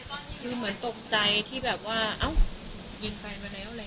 คือเหมือนตกใจที่แบบว่าเอ้ายิงแฟนมาแล้วอะไร